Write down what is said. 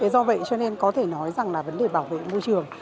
do vậy cho nên có thể nói rằng là vấn đề bảo vệ môi trường